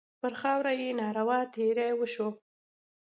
پر خاوره یې ناروا تېری وشو.